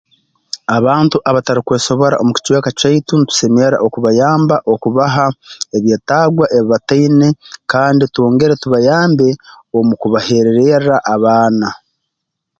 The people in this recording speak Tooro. Abantu abatarukwesobora omu kicweka kyaitu ntusemerra okubayamba okubaha ebyetaagwa ebi bataine kandi twongere tubayambe omu kubaherererra abaana